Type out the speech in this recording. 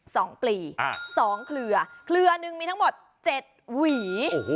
ปลีอ่าสองเครือเครือหนึ่งมีทั้งหมดเจ็ดหวีโอ้โห